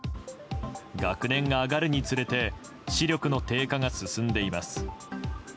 学年が上がるにつれて視力の低下が進んでいます。